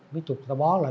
mía chục ta bó lại